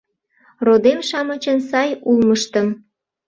Родем-шамычын сай улмыштым